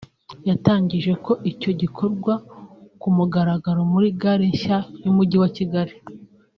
yatangije ko icyo gikorwa ku mugaragaro muri gare nshya y’Umujyi wa Kigali